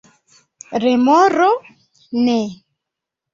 Remoro: "Ne!"